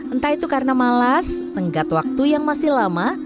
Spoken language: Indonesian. entah itu karena malas tenggat waktu yang masih lama